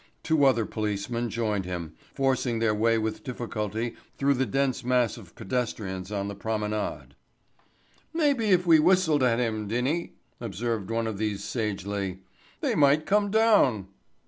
Two other policemen joined him, forcing their way with difficulty through the dense mass of pedestrians on the promenade. "Maybe if we whistled at him, Dinny," observed one of these sagely, "they might come down."